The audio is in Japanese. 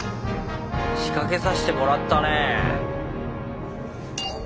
仕掛けさせてもらったねぇ。